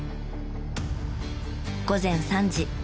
午前３時。